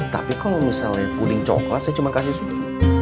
tapi kalau misalnya puding coklat saya cuma kasih susu